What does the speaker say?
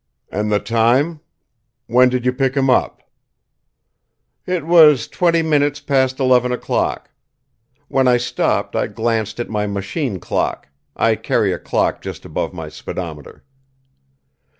"And the time? When did you pick him up?" "It was twenty minutes past eleven o'clock. When I stopped, I glanced at my machine clock; I carry a clock just above my speedometer."